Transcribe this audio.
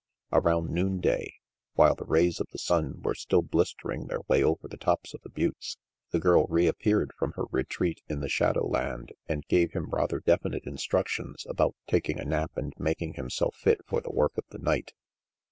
Around noonday, while the rays of the sun were still blistering their way over the tops of the buttes, the girl reappeared from her retreat in the shadow land and gave him rather definite instructions about taking a nap and making himself fit for the work of the night.